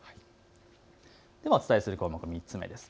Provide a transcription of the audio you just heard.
お伝えする項目、３つ目です。